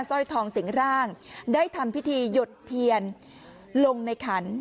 สร้อยทองสิงร่างได้ทำพิธีหยดเทียนลงในขัน